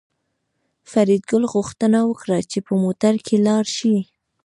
فریدګل غوښتنه وکړه چې په موټر کې لاړ شي